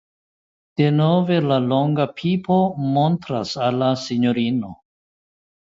Denove la longa pipo montras al la sinjorino.